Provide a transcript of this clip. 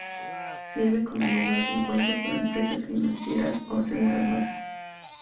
Sirve como lugar de encuentro para empresas financieras o aseguradoras.